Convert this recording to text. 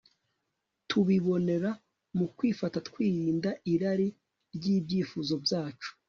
tubibonera mu kwifata twirinda irari n'ibyifuzo byacu